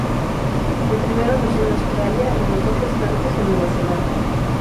El primero nació en Australia y los dos restantes en Nueva Zelanda.